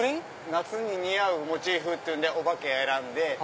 夏に似合うモチーフっていうんでお化けを選んで。